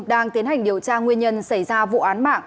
đang tiến hành điều tra nguyên nhân xảy ra vụ án mạng